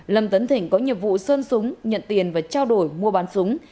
lâm tấn thỉnh có nhiệm vụ sơn súng nhận tiền và trao đổi mua bán súng